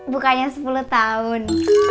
bukannya sepuluh tahun